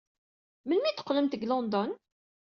Melmi ay d-teqqlemt seg London?